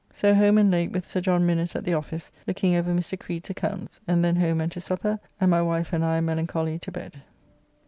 So home and late with Sir John Minnes at the office looking over Mr. Creed's accounts, and then home and to supper, and my wife and I melancholy to bed.